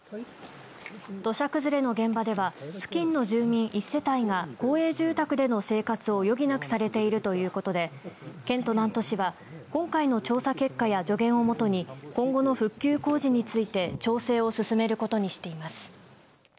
土砂崩れの現場では付近の住民１世帯が公営住宅での生活を余儀なくされているということで県と南砺市は今回の調査結果や助言をもとに今後の復旧工事について調整を進めることにしています。